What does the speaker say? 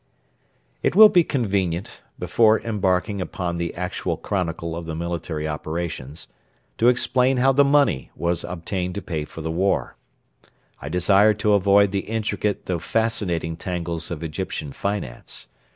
It will be convenient, before embarking upon the actual chronicle of the military operations, to explain how the money was obtained to pay for the war. I desire to avoid the intricate though fascinating tangles of Egyptian finance.